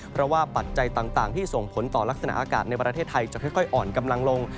เพราะว่าปัจจัยต่างที่ส่งผลต่อลักษณะอากาศในประเทศไทยจะค่อยอ่อนกำลังลง